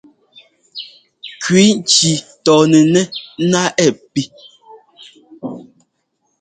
Kʉi ŋki tɔnɛnɛ́ ná ɛ pí.